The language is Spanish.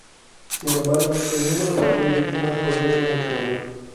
Sin embargo, el número real de víctimas podría ser mucho mayor.